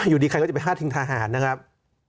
อยู่ดีใครก็จะไปพาดพิงทหารนะครับ